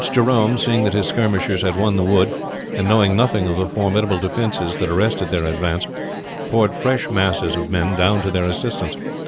Jerome, seeing that his skirmishers had won the wood, and knowing nothing of the formidable defenses that arrested their advance, poured fresh masses of men down to their assistance.